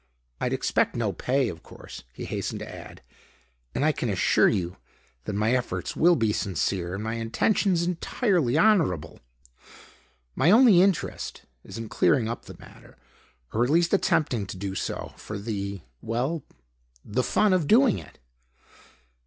I'd expect no pay, of course," he hastened to add, "and I can assure you that my efforts will be sincere and my intentions entirely honorable. My only interest is in clearing up the matter, or at least attempting to do so, for the well the fun of doing it."